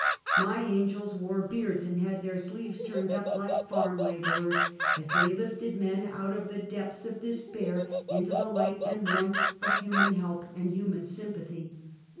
My angels wore beards, and had their sleeves turned up like farm laborei*s, as they lifted men out of the depths of despair into the light and warmth of human help and human sympathy.